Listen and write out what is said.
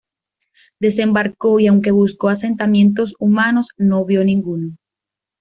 Desembarcó y aunque buscó asentamientos humanos, no vio ninguno.